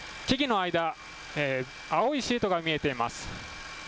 木々の間、青いシートが見えています。